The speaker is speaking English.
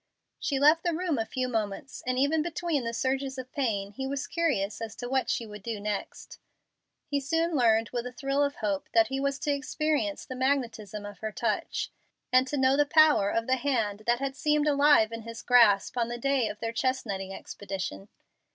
She left the room a few moments, and even between the surges of pain he was curious as to what she would do next. He soon learned with a thrill of hope that he was to experience the magnetism of her touch, and to know the power of the hand that had seemed alive in his grasp on the day of their chestnutting expedition.